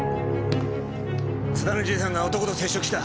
津田のじいさんが男と接触した。